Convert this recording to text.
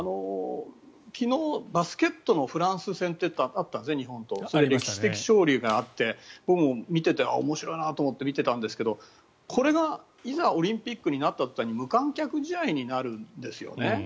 昨日、バスケットの日本とフランス戦があって歴史的勝利があって僕も見ていて面白いなと思ってみてたんですがこれがいざオリンピックになった途端に無観客試合になるんですよね。